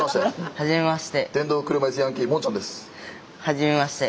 はじめまして。